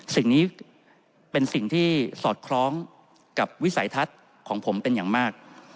สิ่งนี้เป็นสิ่งที่สอดคล้องกับวิสัยทัศน์ของผมเป็นอย่างมาก